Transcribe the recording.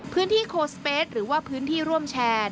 โคสเปสหรือว่าพื้นที่ร่วมแชร์